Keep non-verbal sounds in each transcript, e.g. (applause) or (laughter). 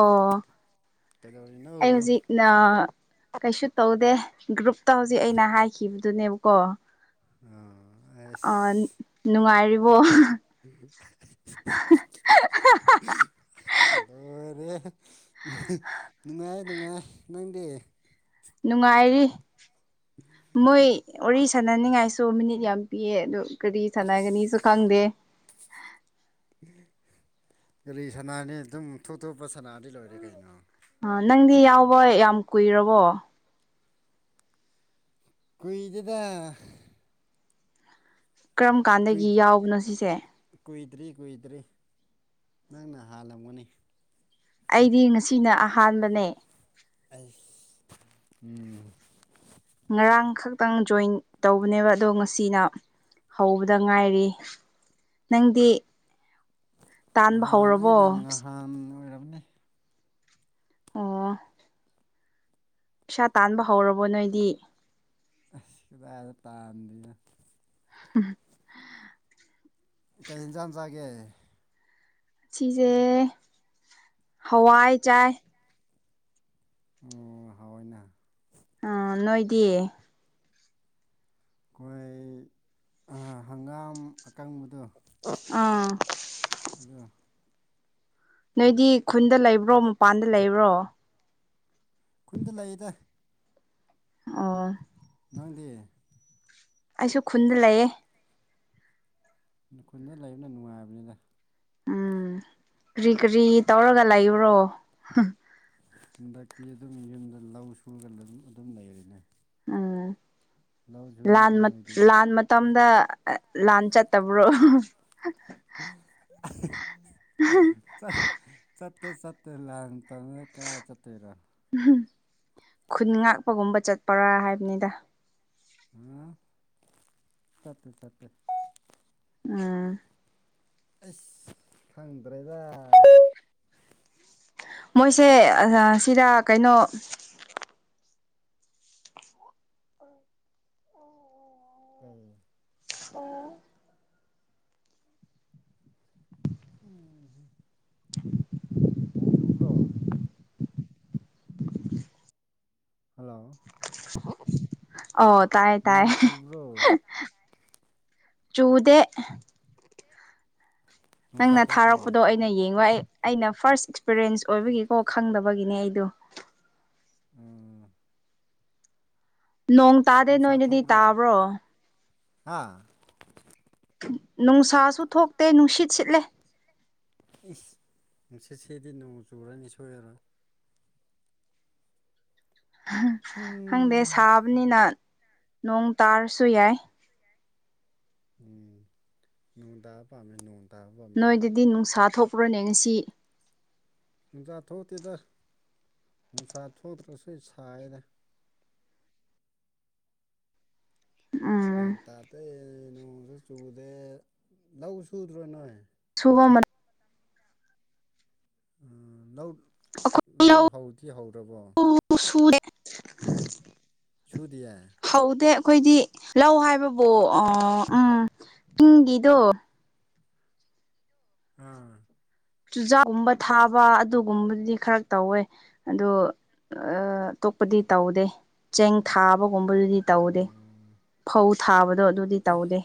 ꯑꯣ ꯀꯩꯗꯧꯔꯤꯅꯣ ꯑꯩ ꯍꯧꯖꯤꯛ ꯅ ꯀꯩꯁꯨ ꯇꯧꯗꯦ ꯒ꯭ꯔꯨꯞꯇ ꯍꯧꯖꯤꯛ ꯑꯩꯅ ꯍꯥꯏꯈꯤꯕꯗꯨꯅꯦꯕꯀꯣ ꯑꯥ ꯑ ꯑꯁ ꯅꯨꯡꯉꯥꯏꯔꯤꯕꯣ ꯍꯜꯂꯣꯔꯦ ꯅꯨꯡꯉꯥꯏ ꯅꯨꯡꯉꯥꯏ ꯅꯪ ꯄ꯭ꯂꯦ ꯅꯨꯡꯉꯥꯏꯔꯤ ꯃꯣꯏ ꯋꯥꯔꯤ ꯁꯥꯟꯅꯅꯤꯡꯉꯥꯏꯁꯨ ꯃꯤꯅꯤꯠ ꯌꯥꯝ ꯄꯤꯑ ꯑꯗꯨ ꯀꯔꯤ ꯑꯁ ꯁꯥꯟꯅꯒꯅꯤꯁꯨ ꯈꯪꯗꯦ ꯒꯥꯂꯤ ꯁꯅꯥꯅꯤ ꯑꯗꯨꯝꯇꯣꯞꯇꯣꯞꯄ ꯁꯅꯥꯗꯤ ꯂꯣꯏꯔꯦ ꯀꯩꯅꯣ ꯅꯤ ꯌꯥꯎꯕ ꯌꯥꯝ ꯀꯨꯏꯔꯕꯣ ꯑꯩꯣꯏꯗꯗ ꯀꯔꯝ ꯀꯥꯟꯗꯒꯤ ꯌꯥꯎꯕꯅꯣ ꯁꯤꯁꯦ ꯀꯨꯏꯗ꯭ꯔꯤ ꯀꯨꯏꯗ꯭ꯔꯤ ꯅꯪꯅ ꯍꯥꯜꯂꯝꯒꯅꯤ ꯑꯩꯗꯤ ꯉꯁꯤꯅ ꯑꯍꯥꯟꯕꯅꯦ ꯑꯁ ꯎꯝ ꯉꯔꯥꯡ ꯈꯛꯇꯪ ꯖꯣꯏꯟ ꯇꯧꯕꯅꯦꯕ ꯑꯗꯣ ꯉꯁꯤꯅ ꯍꯧꯕꯗ ꯉꯥꯏꯔꯤ ꯅꯪꯗꯤ ꯇꯥꯟꯕ ꯉꯍꯥꯟ ꯍꯧꯔꯕꯣ ꯑꯩꯅ ꯉꯍꯥꯟ ꯑꯣꯏꯔꯕꯅꯦ ꯑꯣ ꯄꯩꯁꯥ ꯇꯥꯟꯕ ꯍꯧꯔꯕꯣ ꯅꯣꯏꯗꯤ ꯍꯗ ꯇꯥꯅ (inaudible) ꯀꯔꯤ ꯌꯦꯟꯖꯥꯡ ꯆꯥꯒꯦ ꯁꯤꯁꯦ ꯍꯋꯥꯏ ꯆꯥꯏ ꯍꯥꯎꯣꯏꯅ ꯑ ꯅꯣꯏꯗꯤꯦ ꯑꯩꯈꯣꯏ ꯍꯪꯒꯥꯝ ꯑꯀꯪꯕꯗꯣ ꯑꯥ ꯑꯗꯣ ꯅꯣꯏꯗꯤ ꯈꯨꯟꯗ ꯂꯩꯕ꯭ꯔꯣ ꯃꯄꯥꯟꯗ ꯂꯩꯕ꯭ꯔꯣ ꯈꯨꯟꯗ ꯂꯩꯌꯦꯗ ꯑ ꯅꯪꯗꯤ ꯑꯩꯁꯨ ꯈꯨꯟꯗ ꯂꯩꯌꯦ ꯈꯨꯟꯗ ꯂꯩꯕꯅ ꯅꯨꯡꯉꯥꯏꯕꯅꯤꯅ ꯎꯝ ꯀꯔꯤ ꯀꯔꯤ ꯇꯧꯔꯒ ꯂꯩꯨꯔꯣ ꯍꯟꯗꯛꯇꯤ ꯑꯗꯨꯝ ꯌꯨꯝꯗ ꯂꯧ ꯁꯨꯔꯒ ꯑꯗꯨꯝ ꯑꯗꯨꯝ ꯂꯩꯔꯤꯅꯦ ꯎꯝ ꯂꯧ ꯂꯥꯟ ꯁꯨꯅꯗ꯭ꯔꯣ ꯅꯣꯏꯗꯤ ꯂꯥꯟ ꯃꯇꯝ ꯃꯇꯝ ꯂꯥꯟ ꯆꯠꯇꯕ꯭ꯔꯣ ꯆꯠ ꯆꯠ ꯀꯠꯇꯇꯩ ꯆꯠꯠꯇꯔ ꯂꯥꯛ ꯇꯧ ꯀꯔꯥ ꯆꯠꯇꯔꯣ ꯈꯨꯟ ꯉꯥꯛꯄꯒꯨꯝꯕ ꯆꯠꯄꯔꯥ ꯍꯥꯏꯕꯅꯤꯗ ꯎ ꯁꯠꯇꯦ ꯁꯠꯇꯦ ꯎꯝ ꯑꯁ ꯐꯪꯗ꯭ꯔꯦꯗ ꯃꯣꯏꯁꯦ ꯁꯤꯗ ꯀꯩꯅꯣ ꯎꯝ ꯑꯣ ꯎꯝ ꯎꯣꯡ ꯆꯨꯞꯕ꯭ꯔꯣ ꯍꯜꯂꯣ ꯑꯣ ꯇꯥꯏꯌꯦ ꯇꯥꯏ ꯅꯣꯡ ꯆꯨꯕ꯭ꯔꯣ ꯆꯨꯗꯦ ꯅꯨꯡꯁꯥ ꯅꯪꯅ ꯊꯣꯛꯄ꯭ꯔꯣ ꯊꯥꯔꯛꯄꯗꯣ ꯑꯩꯅ ꯌꯦꯡꯉꯣ ꯑꯩ ꯑꯩꯅ ꯐꯥꯔꯁ ꯑꯦꯛꯁꯄꯤꯔꯤꯌꯦꯟꯁ ꯑꯣꯏꯕꯒꯤꯀꯣ ꯈꯪꯗꯕꯒꯤꯅꯦ ꯑꯩꯗꯣ ꯎꯝ ꯅꯣꯡ ꯇꯥꯗꯦ ꯅꯣꯏꯅꯗꯤ ꯇꯥꯕ꯭ꯔꯣ ꯍꯥꯥ ꯅꯨꯡꯁꯥꯁꯨ ꯊꯣꯛꯇꯦ ꯅꯨꯡꯁꯤꯠ ꯁꯤꯠꯂꯦ ꯏꯁ ꯅꯨꯡꯁꯤꯠ ꯁꯤꯗꯤ ꯅꯣꯡ ꯆꯨꯔꯅꯤ ꯁꯣꯏꯔꯔꯣꯏ ꯈꯪꯗꯦ ꯎꯝ ꯁꯥꯕꯅꯤꯅ ꯅꯣꯡ ꯇꯥꯔꯁꯨ ꯌꯥꯏ ꯎꯝ ꯅꯣꯡꯗꯥ ꯄꯝ ꯅꯣꯡ ꯇꯥꯕ ꯄꯥꯝꯃꯦ ꯑꯩꯗꯤ ꯅꯣꯏꯗꯗꯤ ꯅꯨꯡꯁꯥ ꯊꯣꯛꯂ꯭ꯔꯣꯅꯦ ꯉꯁꯤ ꯅꯨꯡꯁꯥ ꯊꯣꯛꯇꯦꯗ ꯅꯨꯡꯁꯥ ꯊꯣꯛꯇ꯭ꯔꯁꯨ ꯁꯥꯏꯅ ꯒ꯭ꯌꯥꯟ ꯎꯝ ꯇꯥꯇꯩꯩ ꯅꯣꯡꯁꯨ ꯆꯨꯗꯦ ꯂꯧ ꯁꯨꯗ꯭ꯔꯣ ꯅꯣꯏ ꯊ ꯑꯩꯈꯣꯏ ꯂꯧ ꯅꯧ ꯍꯧꯗꯤꯤ ꯍꯧꯔꯕꯣ (inaudible) ꯆꯨꯗꯌꯥ ꯍꯧꯗꯦ ꯑꯩꯈꯣꯏꯗꯤ ꯂꯧ ꯍꯥꯏꯕꯕꯨ ꯎꯝ ꯆꯤꯡꯒꯤꯗꯣ ꯑꯝ ꯆꯨꯖꯥꯛꯒꯨꯝꯕ ꯊꯥꯕ ꯑꯗꯨꯒꯨꯝꯕꯗꯨꯗꯤ ꯈꯔ ꯇꯧꯋꯦ ꯑꯗꯣ ꯇꯣꯄꯗꯤ ꯇꯧꯗꯦ ꯆꯦꯡ ꯊꯥꯕ ꯒꯨꯝꯕꯗꯨꯗꯤ ꯑꯣ ꯇꯧꯗꯦ ꯐꯧ ꯊꯥꯕꯗꯣ ꯑꯗꯨꯗꯤ ꯑꯦꯁ ꯇꯧꯗꯦ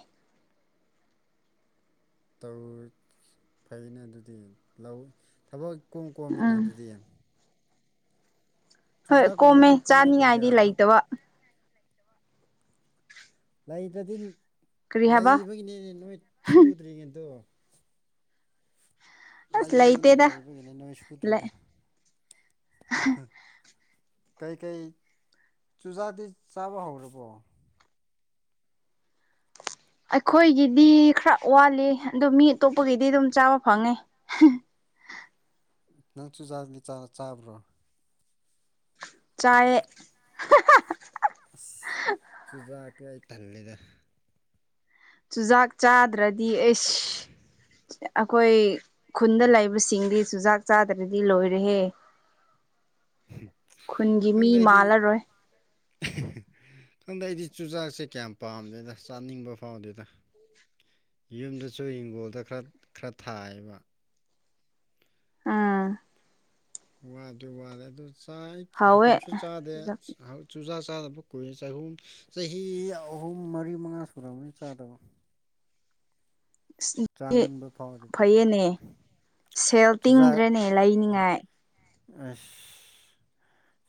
ꯐꯩꯅ ꯑꯗꯨꯗꯤ ꯂꯧ ꯊꯕꯛ ꯀꯣꯝ ꯀꯣꯝꯃꯤꯅ ꯎꯝ ꯑꯗꯨꯗꯤ ꯍꯣꯏ ꯀꯣꯝꯃꯦ ꯆꯨꯖꯥꯛꯀꯨꯝꯕꯗꯤ ꯀꯃꯥꯏꯅ ꯇꯧꯒꯦ ꯆꯥꯅꯤꯉꯥꯏꯗꯤ ꯂꯩꯇꯕ ꯂꯩꯕꯗꯤ ꯀꯔꯤ ꯍꯥꯏꯕ ꯂꯩꯕꯒꯤꯅꯦꯅꯦ ꯅꯣꯏ ꯁꯨꯗ꯭ꯔꯤꯉꯗꯣ ꯑꯁ ꯂꯩꯕꯒꯤꯅꯤ ꯂꯩꯇꯦꯗ ꯂꯩꯕꯒꯤꯅꯤ ꯅꯣꯏ ꯂꯩ ꯁꯨꯗ꯭ꯔꯤꯗ ꯍꯥ ꯀꯩꯀꯩ ꯆꯨꯖꯥꯗꯤ ꯆꯥꯕ ꯍꯧꯔꯕꯣ ꯑꯩꯈꯣꯏꯒꯤꯗꯤ ꯈꯔ ꯋꯥꯠꯂꯤ ꯑꯗꯣ ꯃꯤ ꯑꯇꯣꯞꯄꯒꯤꯗꯤ ꯑꯗꯨꯝ ꯆꯥꯕ ꯐꯪꯉꯦ (inaudible) ꯅꯪ ꯆꯨꯖꯥꯛꯅꯤ ꯆꯥꯕ꯭ꯔꯣ ꯆꯌꯦ ꯑꯁ ꯆꯨꯖꯥꯛꯀ ꯑꯩ ꯊꯜꯂꯦꯗ ꯆꯨꯖꯥꯛ ꯆꯥꯗ꯭ꯔꯗꯤ ꯑꯩꯁ ꯑꯩꯈꯣꯏ ꯈꯨꯟꯗ ꯂꯩꯕꯁꯤꯡꯗꯤ ꯆꯨꯖꯥꯛ ꯆꯥꯗ꯭ꯔꯗꯤ ꯂꯣꯏꯔꯦꯍꯦ ꯈꯨꯟꯒꯤ ꯃꯤ ꯈꯪꯗꯦ ꯑꯩꯗꯤ ꯃꯥꯜꯂꯔꯣꯏ ꯑꯟꯗ ꯑꯩꯗꯤ ꯆꯨꯖꯥꯛꯁꯦ ꯀꯌꯥꯝ ꯄꯥꯝꯗꯣꯏꯅ ꯆꯥꯅꯤꯡꯕ ꯐꯥꯎꯗꯣꯏꯗ ꯌꯨꯝꯗꯁꯨ ꯍꯤꯡꯒꯣꯜꯗ ꯈꯔ ꯈꯔ ꯊꯥꯏꯌꯦꯕ ꯑꯥ ꯋꯥꯗꯤ ꯋꯥꯗꯦ ꯑꯗꯨ ꯆꯥꯏ ꯍꯥꯎꯋꯦ ꯍꯀꯨꯝꯁꯨ ꯆꯥꯗꯦ ꯆꯨꯖꯥꯛ ꯆꯨꯖꯥ ꯆꯥꯗꯕ ꯀꯨꯏꯔ ꯆꯍꯨꯝ ꯆꯍꯤ ꯑꯍꯨꯝ ꯃꯔꯤ ꯃꯉꯥ ꯁꯨꯔꯕꯅꯤ ꯆꯥꯗꯕ ꯆꯥꯅꯤꯡꯕ ꯐꯥꯎꯗꯦꯕ ꯐꯩꯌꯦꯅꯦ ꯁꯦꯜ ꯆꯨꯖꯥꯛ ꯇꯤꯡꯗ꯭ꯔꯅꯦ ꯂꯩꯅꯤꯉꯥꯏ ꯑꯁ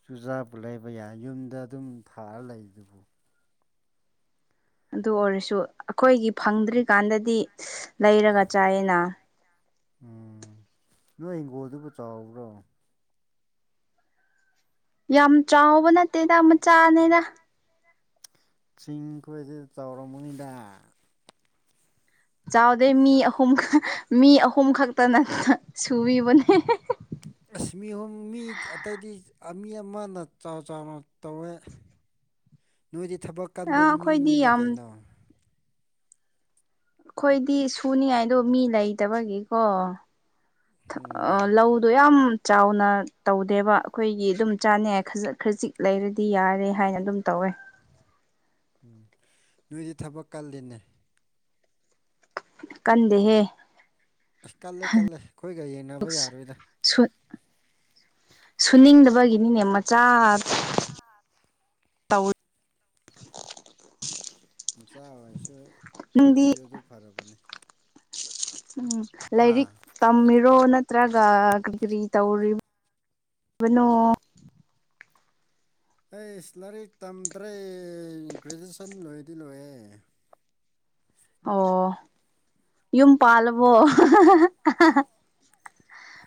ꯆꯨꯖꯥꯛꯄꯨ ꯂꯩꯕ ꯌꯥꯏ ꯌꯨꯝꯗ ꯑꯗꯨꯝ ꯊꯥꯔ ꯂꯩ ꯑꯗꯨꯕꯨ ꯑꯗꯨ ꯑꯣꯏꯔꯁꯨ ꯑꯩꯈꯣꯏꯒꯤ ꯐꯪꯗ꯭ꯔꯤꯀꯥꯟꯗꯗꯤ ꯂꯩꯔꯒ ꯆꯥꯏꯌꯦꯅ ꯎꯝ ꯅꯣꯏ ꯍꯪꯒꯣꯜꯗꯨꯕꯨ ꯆꯥꯎꯕ꯭ꯔꯣ ꯌꯥꯝ ꯆꯥꯎꯕ ꯅꯠꯇꯦꯗ ꯃꯆꯥꯅꯦꯅ ꯆꯤꯡꯈꯣꯏꯁꯤ ꯆꯥꯎꯔꯕꯝꯃꯅꯤꯗ ꯆꯥꯎꯗꯦ ꯃꯤ ꯑꯍꯨꯝ ꯃꯤ ꯑꯍꯨꯝ ꯈꯛꯇꯅ ꯁꯨꯕꯤꯕꯅꯦ ꯑꯁꯃꯤ ꯑꯍꯨꯝ ꯃꯤ ꯑꯇꯩꯗꯤ ꯃꯤ ꯑꯃꯅ ꯆꯥꯎ ꯆꯥꯎꯅ ꯇꯧꯋꯦ ꯅꯣꯏꯗꯤ ꯊꯕꯛ ꯀꯟꯕ ꯑꯩꯈꯣꯏꯗꯤ ꯃꯤꯅꯤꯅ ꯌꯥꯝ ꯀꯩꯅꯣ ꯑꯩꯈꯣꯏꯗꯤ ꯁꯨꯅꯤꯉꯥꯏꯗꯣ ꯃꯤ ꯂꯩꯇꯕꯒꯤꯀꯣ ꯑ ꯎꯝ ꯂꯧꯗꯣ ꯌꯥꯝ ꯆꯥꯎꯅ ꯇꯧꯗꯦꯕ ꯑꯩꯈꯣꯏꯒꯤ ꯑꯗꯨꯝ ꯆꯥꯅꯩ ꯈꯖꯤꯛ ꯈꯖꯤꯛ ꯂꯩꯔꯗꯤ ꯌꯥꯔꯦ ꯍꯥꯏꯅ ꯑꯗꯨꯝ ꯇꯧꯋꯦ (unintelligible) ꯎꯝ ꯅꯣꯏꯗꯤ ꯊꯕꯛ ꯀꯜꯂꯤꯅꯦ ꯀꯗꯦꯍꯦ ꯑꯁ ꯀꯜꯂꯦ ꯀꯜꯂꯦ ꯑꯩꯈꯣꯏꯒ ꯌꯦꯡꯅꯕ ꯌꯥꯔꯣꯏꯗ ꯁꯨꯅꯤꯡꯗꯕꯒꯤꯅꯤꯅꯦ ꯃꯆꯥ ꯇꯧ ꯃꯆꯥ ꯑꯣꯏꯁꯨ ꯅꯪꯗꯤ ꯇꯧꯔꯤꯗꯨ ꯑꯗꯨ ꯐꯔꯕꯅꯦ ꯎꯝ ꯍꯥ ꯂꯥꯏꯔꯤꯛ ꯇꯝꯃꯤꯔꯣ ꯅꯠꯇ꯭ꯔꯒ ꯀꯔꯤ ꯀꯔꯤ ꯇꯧꯔꯤꯕ ꯑꯗꯨꯕꯅꯣ ꯑꯩ ꯂꯥꯏꯔꯤꯛ ꯇꯝꯗ꯭ꯔꯦ ꯒ꯭ꯔꯦꯖꯨꯑꯦꯁꯟ ꯂꯣꯏꯗꯤ ꯂꯣꯏꯑꯦ ꯑꯣ ꯌꯨꯝ ꯄꯥꯜꯂꯕꯣ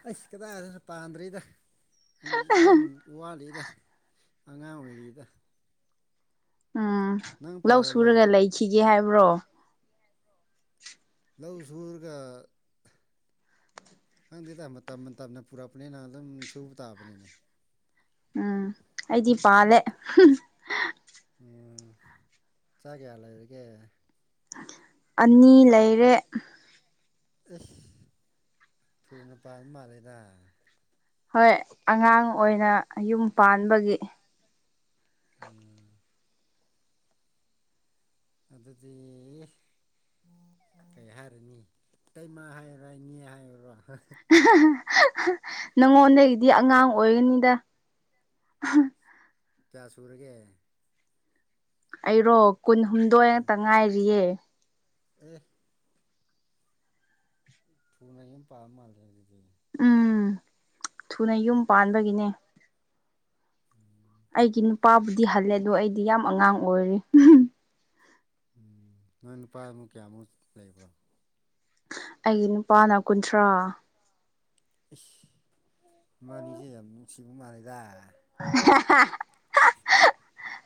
ꯑꯩꯁ ꯀꯗꯥꯏꯗꯅ ꯄꯥꯟꯗ꯭ꯔꯤꯗ ꯈꯔ ꯋꯥꯠꯂꯤꯗ ꯑꯉꯥꯡ ꯑꯣꯏꯔꯤꯗ ꯎꯝ ꯅꯪ ꯂꯧ ꯄꯥꯜꯂꯕꯣ ꯁꯨꯔꯒ ꯂꯩꯈꯤꯒꯦ ꯍꯥꯏꯕ꯭ꯔꯣ ꯂꯧ ꯁꯔꯒ ꯈꯪꯇꯦꯇꯥ ꯃꯇꯝ ꯃꯇꯝꯅ ꯄꯨꯔꯛꯄꯅꯤꯅ ꯑꯗꯨꯝ ꯁꯨꯕ ꯇꯥꯕꯅꯦ ꯎꯝ ꯑꯩꯗꯤ ꯄꯥꯂꯦ ꯆꯒꯦꯌꯥꯂ ꯏꯒ ꯑꯅꯤ ꯂꯩꯔꯦ ꯁ ꯊꯨꯅ ꯄꯥꯕ ꯃꯥꯜꯂꯦꯗ ꯍꯣꯏ ꯑꯉꯥꯡ ꯑꯣꯏꯅ ꯌꯨꯝ ꯄꯥꯟꯕꯒꯤ ꯎꯝ ꯑꯗꯨꯗꯤ ꯀꯩ ꯍꯥꯏꯔꯅꯤ ꯀ ꯃꯥ ꯍꯥꯏꯔꯣ ꯏꯅꯦ ꯍꯥꯏꯔꯣ ꯅꯪꯉꯣꯟꯗꯒꯤꯗꯤ ꯑꯉꯥꯡ ꯑꯣꯏꯒꯅꯤꯗ ꯆꯥ ꯁꯨꯔꯒꯦ ꯑꯩꯔꯣ ꯀꯨꯟꯍꯨꯝꯗꯣꯏ ꯉꯛꯇ ꯉꯥꯏꯔꯤꯌꯦ ꯎꯝ ꯊꯨꯅ ꯑꯃ ꯄꯥꯕ ꯃꯥꯜꯂꯦ ꯑꯗꯨꯗꯤ ꯎꯝ ꯊꯨꯅ ꯌꯨꯝ ꯄꯥꯟꯕꯒꯤꯅꯦ ꯑꯩꯒꯤ ꯅꯨꯄꯥꯕꯨꯗꯤ ꯍꯜꯂꯦ ꯑꯗꯣ ꯑꯩꯗꯤ ꯌꯥꯝ ꯑꯉꯥꯡ ꯑꯣꯏꯔꯤ ꯎꯝ ꯅꯣꯏ ꯅꯨꯄꯥꯃꯨꯛ ꯀꯌꯥꯃꯨꯛ ꯂꯩꯕ꯭ꯔꯣ ꯑꯩꯒꯤ ꯅꯨꯄꯥꯅ ꯀꯨꯟꯊ꯭ꯔꯥ ꯃꯥꯅꯤꯖ ꯌꯥꯝ ꯃꯤꯁꯤꯕꯨ ꯃꯥꯅꯦꯗ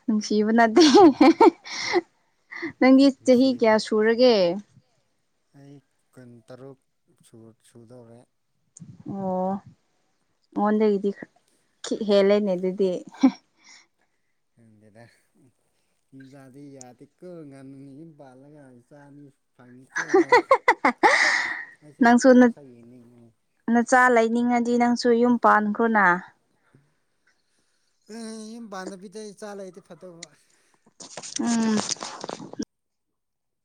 ꯅꯨꯡꯁꯤꯕ ꯅꯠꯇꯦ ꯅꯪꯒꯤ ꯆꯍꯤ ꯅꯨꯡꯁꯤꯕ ꯀꯌꯥ ꯁꯨꯔꯒꯦ ꯑꯩ ꯀꯨꯟ ꯇꯔꯨꯛ ꯁꯨꯗꯧꯔꯦ ꯑꯣ ꯑꯣꯟꯒꯗꯤ ꯍꯦꯜꯂꯦꯅꯦ ꯑꯗꯨꯗꯤ ꯕꯤꯦꯗ ꯗꯤ ꯌꯥꯗꯤ ꯀꯔ ꯉꯅꯅꯤ ꯂꯒ ꯆꯃꯤ ꯑꯩꯁꯨ ꯅꯪꯁꯨ ꯏꯆꯥ ꯃꯁꯛ ꯌꯦꯡꯅꯤꯡꯉꯤ ꯅꯆꯥ ꯂꯩꯅꯤꯡꯉꯅꯤ ꯗꯤ ꯅꯪꯁꯨ ꯌꯨꯝ ꯄꯥꯟꯈ꯭ꯔꯣꯅ ꯎ ꯌꯨꯝ ꯄꯥꯟꯗꯕꯤꯗ ꯆꯥꯂ ꯑꯩꯗꯤ ꯐꯠꯇ ꯎꯝ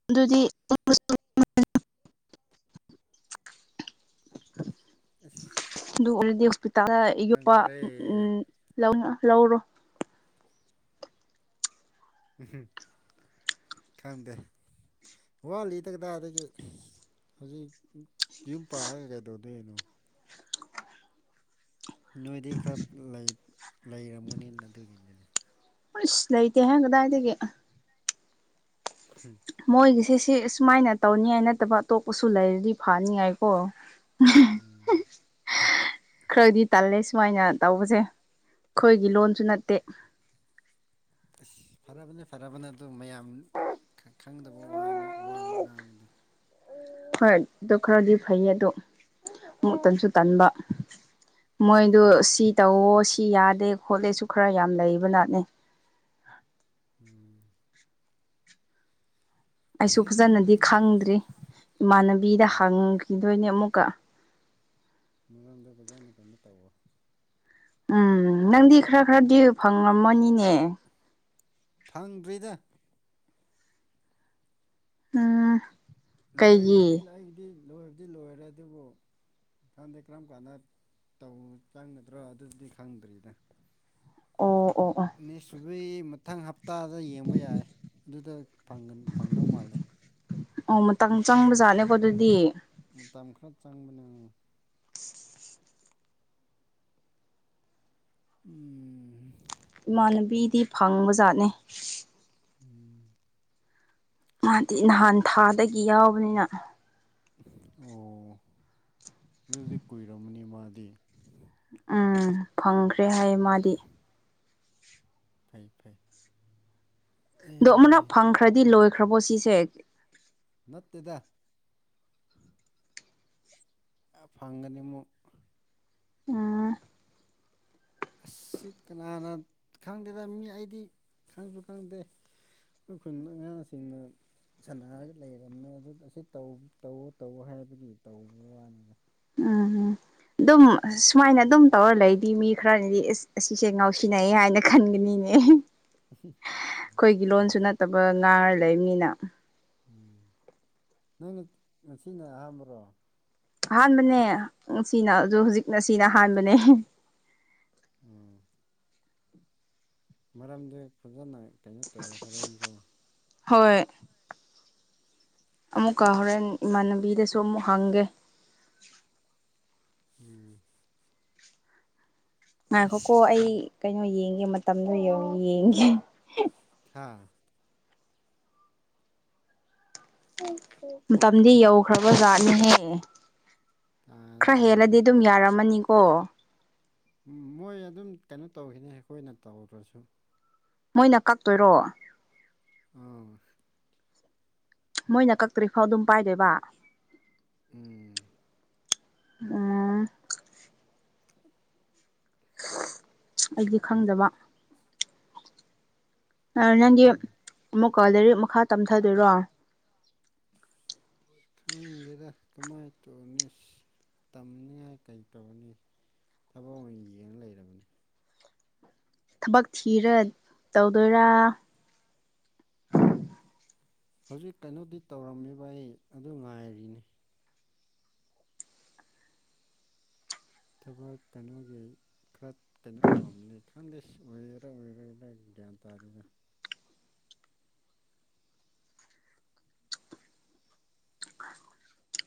ꯑꯗꯨꯗꯤ ꯑ ꯑꯗꯨ ꯑꯣꯏꯔꯗꯤ ꯍꯣꯁꯄꯤꯇꯥꯜꯗ ꯌꯣꯛꯄ ꯎꯝ ꯂꯧ ꯂꯧꯔꯣ ꯎ ꯈꯪꯗꯦ ꯋꯥꯂꯤꯗꯒꯗꯥ ꯑꯗꯒꯤ ꯍꯧꯖꯤꯛ ꯌꯨꯝ ꯄꯥꯔꯒ ꯀꯩꯗꯧꯗꯣꯏꯅꯣ ꯅꯣꯏꯗꯤ ꯈꯔ ꯂꯩꯔꯝꯃꯅꯤꯅ ꯑꯗꯨꯒꯤꯗꯨꯅꯦ ꯑꯁ ꯂꯩ ꯂꯩꯇꯦ ꯍꯦꯡꯒꯗꯥꯏꯗꯒ ꯃꯣꯏꯒꯤꯁꯦ ꯁꯤ ꯁꯨꯃꯥꯏꯅ ꯇꯧꯅꯤꯉꯥꯏ ꯅꯠꯇꯕ ꯑꯇꯣꯞꯄꯁꯨ ꯂꯩꯔꯗꯤ ꯐꯅꯤꯉꯥꯏꯀꯣ ꯎꯝ ꯈꯔꯗꯤ ꯇꯜꯂꯦ ꯁꯨꯃꯥꯏꯅ ꯇꯧꯕꯁꯦ ꯑꯩꯈꯣꯏꯒꯤ ꯂꯣꯟꯁꯨ ꯅꯠꯇꯦ ꯑꯁ ꯐꯔꯕꯅꯤ ꯐꯔꯕꯅꯤ ꯑꯗꯨ ꯃꯌꯥꯝ ꯈꯪꯗꯕ ꯋꯥ ꯉꯥꯡꯕꯗꯣ ꯍꯣꯏ ꯑꯗꯨ ꯈꯔꯗꯤ ꯐꯩꯌꯦ ꯑꯗꯣ ꯃꯨꯛꯇꯟꯁꯨ ꯇꯟꯕ ꯃꯣꯏꯗ ꯁꯤ ꯇꯧꯋꯣ ꯁꯤ ꯌꯥꯗꯦ ꯈꯣꯠꯂꯦꯁꯨ ꯈꯔ ꯌꯥꯝ ꯂꯩꯕꯅꯅꯦ ꯎꯝ ꯑꯩꯁꯨ ꯐꯖꯅꯗꯤ ꯈꯪꯗ꯭ꯔꯤ ꯏꯃꯥꯟꯅꯕꯤꯗ ꯎꯝ ꯍꯥꯡꯈꯤꯗꯣꯏꯅꯦ ꯑꯃꯨꯛꯀ ꯃꯔꯝꯗ ꯕꯖꯥꯔꯅ ꯀꯩꯅꯣ ꯇꯧꯋ ꯎꯝ ꯅꯪꯗꯤ ꯈꯔ ꯈꯔꯗꯤ ꯐꯪꯉꯝꯃꯅꯤꯅꯦ ꯐꯪꯗ꯭ꯔꯤꯗ ꯎꯝ ꯂꯣꯏꯕꯨꯗꯤ ꯀꯩꯒꯤ ꯑꯩꯕꯨꯗꯤ ꯂꯣꯏꯕꯗꯤ ꯂꯣꯏꯔꯦ ꯑꯗꯨꯕꯨ ꯈꯪꯗꯦ ꯀꯔꯝ ꯀꯥꯟꯗ ꯇꯧ ꯆꯪꯒꯗ꯭ꯔꯣ ꯑꯗꯨꯗꯤ ꯈꯪꯗ꯭ꯔꯤꯗ ꯑꯣ ꯑꯣ ꯑꯣ ꯅꯤ ꯑꯗꯨꯏ ꯃꯊꯪ ꯍꯞꯇꯥꯗ ꯌꯦꯡꯕ ꯌꯥꯏ ꯑꯗꯨꯗ ꯐꯪꯗꯧ ꯃꯥꯜꯂꯦ ꯑꯣ ꯃꯇꯝ ꯆꯪꯕ ꯖꯥꯠꯅꯦꯀꯣ ꯑꯗꯨꯗꯤ ꯃꯇꯝ ꯈꯔ ꯆꯪꯕꯅꯦ ꯎꯝ ꯏꯃꯥꯟꯅꯕꯤꯗꯤ ꯐꯪꯕꯖꯥꯠꯅꯦ ꯎꯝ ꯃꯥꯗꯤ ꯅꯍꯥꯟ ꯊꯥꯗꯒꯤ ꯌꯥꯎꯕꯅꯤꯅ ꯑꯣ ꯑꯗꯨꯗꯤ ꯀꯨꯏꯔꯝꯃꯅꯤ ꯃꯥꯗꯤ ꯎꯝ ꯐꯪꯈ꯭ꯔꯦ ꯍꯥꯏꯌꯦ ꯃꯥꯗꯤ ꯐꯩ ꯐꯩ ꯑꯗꯣ ꯑꯃꯨꯛꯅ ꯑꯦ ꯐꯪꯈ꯭ꯔꯗꯤ ꯂꯣꯏꯈ꯭ꯔꯕꯣ ꯁꯤꯁꯦ ꯅꯠꯇꯗ ꯐꯪꯒꯅꯤꯃꯨ ꯎꯝ ꯑꯁꯤ ꯀꯅꯥꯅ ꯈꯪꯗꯦꯗ ꯃꯤ ꯑꯩꯗꯤ ꯈꯪꯁꯨ ꯈꯪꯗꯦ ꯑꯩꯈꯣꯏ ꯑꯉꯥꯡꯁꯤꯡꯅ ꯁꯥꯟꯅꯔꯒ ꯂꯩꯔꯝꯃꯦ ꯑꯗꯨ ꯑꯁꯤ ꯇꯧ ꯇꯧ ꯍꯥꯏꯕꯒꯤ ꯇꯧꯕ ꯋꯥꯅꯤꯗ ꯎꯝ ꯎꯝ ꯑꯗꯨꯝ ꯁꯨꯃꯥꯏꯅ ꯑꯗꯨꯝ ꯇꯧꯔ ꯂꯩꯗꯤ ꯃꯤ ꯈꯔꯅꯤꯗꯤ ꯑꯦꯁ ꯑꯁꯤꯁꯦ ꯉꯥꯎꯁꯤꯟꯅꯩꯑꯦ ꯍꯥꯏꯅ ꯈꯟꯒꯅꯤ ꯑꯩꯈꯣꯏꯒꯤ ꯂꯣꯟꯁꯨ ꯌꯥꯗꯦ ꯅꯠꯇꯕ ꯉꯥꯡꯉ ꯂꯩꯕꯅꯤꯅ ꯎꯝ ꯅꯪ ꯉꯁꯤꯅ ꯑꯍꯥꯟꯕ꯭ꯔꯣ ꯑꯍꯥꯟꯕꯅꯦ ꯉ ꯁꯤꯅ ꯍꯧ ꯍꯧꯖꯤꯛꯅ ꯁꯤꯅ ꯑꯍꯥꯟꯕꯅꯦ ꯎꯝ ꯃꯔꯝꯗꯤ ꯐꯖꯅ ꯀꯩꯅꯣ ꯇꯧ ꯍꯣꯔꯦꯟꯒꯣ ꯍꯣꯏ ꯑꯃꯨꯛꯀ ꯍꯣꯔꯦꯟ ꯏꯃꯥꯟꯅꯕꯤꯗꯁꯨ ꯑꯃꯨꯛ ꯍꯪꯒꯦ ꯎꯝ ꯉꯈꯣꯀꯣ ꯑꯁ ꯑꯩ ꯀꯩꯅꯣ ꯌꯦꯡꯒꯦ ꯃꯇꯝꯗꯣ ꯌꯦꯡꯒꯦ ꯑꯥ ꯃꯇꯝꯗꯤ ꯌꯧꯈ꯭ꯔꯕ ꯖꯥꯠꯅꯤꯍꯦ ꯈꯔ ꯍꯥ ꯍꯦꯜꯂꯗꯤ ꯑꯗꯨꯝ ꯌꯥꯔꯝꯃꯅꯤꯀꯣ ꯃꯣꯏ ꯑꯗꯨꯝ ꯀꯩꯅꯣ ꯇꯧꯈꯤꯅꯤ ꯑꯩꯈꯣꯏꯅ ꯇꯧꯔꯁꯨ ꯃꯣꯏꯅ ꯀꯛꯇꯣꯏꯔꯣ ꯑꯣ ꯃꯣꯏꯅ ꯀꯛꯇ꯭ꯔꯤꯐꯥꯎ ꯑꯗꯨꯝ ꯄꯥꯏꯗꯣꯏꯕ ꯎꯝ ꯎꯝ ꯑꯩꯗꯤ ꯈꯪꯗꯕ ꯅꯪꯒꯤ ꯎꯝ ꯑꯃꯨꯛꯀ ꯂꯥꯏꯔꯤꯛ ꯃꯈꯥ ꯇꯝꯊꯗꯣꯏꯔꯣ ꯈꯪꯗꯦꯗ ꯀꯃꯥꯏꯅ ꯇꯧꯔꯅꯤ ꯇꯝꯅꯤꯉꯥꯏ ꯀꯩ ꯇꯧꯔꯅꯤ ꯊꯕꯛ ꯑꯣꯏꯅ ꯌꯦꯡꯉ ꯂꯩꯔꯕꯅꯤ ꯊꯕꯛ ꯊꯤꯔ ꯇꯧꯗꯣꯏꯔꯥ ꯍꯧꯖꯤꯛ ꯀꯩꯅꯣꯗꯤ ꯇꯧꯔꯝꯃꯤꯕ ꯑꯩ ꯑꯗꯨ ꯉꯥꯏꯔꯤꯅꯤ ꯊꯕꯛ ꯀꯩꯅꯣꯒꯤ ꯈꯔ ꯀꯩꯅꯣ ꯇꯧꯔꯝꯅꯤ ꯈꯪꯗꯦ ꯑꯣꯏꯔꯦꯔꯥ ꯑꯣꯏꯦꯔꯔꯥ ꯒ꯭ꯌꯥꯟ ꯇꯥꯗꯦꯅ